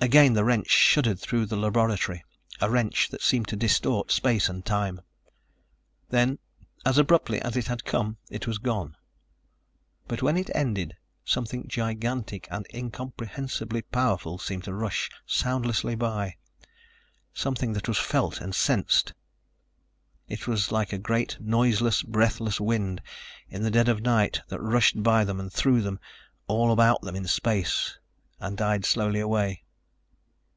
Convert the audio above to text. Again the wrench shuddered through the laboratory, a wrench that seemed to distort space and time. Then, as abruptly as it had come, it was gone. But when it ended, something gigantic and incomprehensibly powerful seemed to rush soundlessly by ... something that was felt and sensed. It was like a great noiseless, breathless wind in the dead of night that rushed by them and through them, all about them in space and died slowly away.